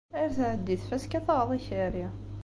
Ar ad tɛeddi tfaska, taɣeḍ ikerri.